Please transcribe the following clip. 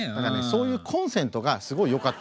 そういうコンセントがすごいよかった。